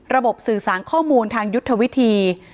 สื่อสารข้อมูลทางยุทธวิธี